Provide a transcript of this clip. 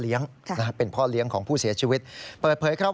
แล้วก็ลุกลามไปยังตัวผู้ตายจนถูกไฟคลอกนะครับ